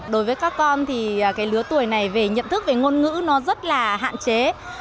đối với các con thì cái lứa tuổi này về nhận thức về ngôn ngữ nó rất là hạn chế